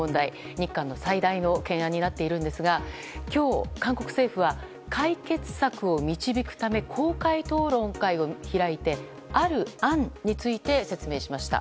日韓の最大の懸案になっているんですが今日、韓国政府は解決策を導くため公開討論会を開いてある案について説明しました。